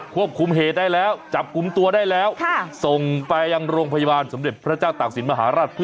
ควบคุมเหตุได้แล้วจับกลุ่มตัวได้แล้วส่งไปยังโรงพยาบาลสมเด็จพระเจ้าตากศิลปมหาราช๙